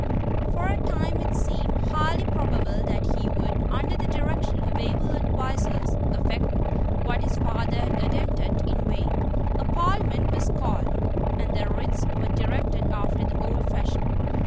For a time it seemed highly probable that he would, under the direction of able advisers, effect what his father had attempted in vain. A Parliament was called, and the writs were directed after the old fashion.